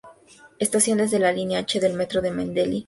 Estaciones de la Línea H del Metro de Medellín de sur a norte.